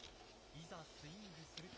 いざスイングすると。